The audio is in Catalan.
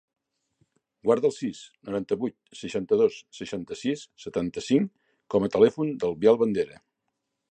Guarda el sis, noranta-vuit, seixanta-dos, seixanta-sis, setanta-cinc com a telèfon del Biel Bandera.